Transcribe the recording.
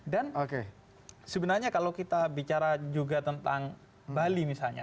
sebenarnya kalau kita bicara juga tentang bali misalnya